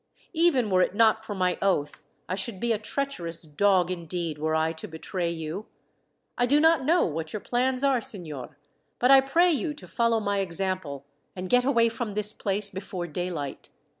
Even were it not for my oath, I should be a treacherous dog, indeed, were I to betray you. I do not know what your plans are, signor, but I pray you to follow my example, and get away from this place before daylight.